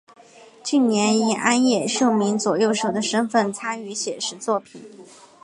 近年以庵野秀明左右手的身份参与写实作品。